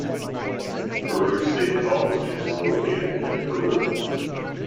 Peru State College is located in Peru.